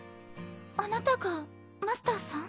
あなたがマスターさん？